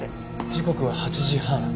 時刻は８時半。